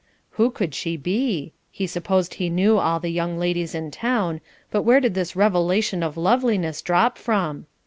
"Who could she be? He supposed he knew all the young ladies in town, but where did this revelation of loveliness drop from?"